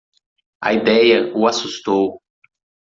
A ideia o assustou.